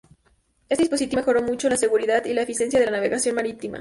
Este dispositivo mejoró mucho la seguridad y la eficiencia de la navegación marítima.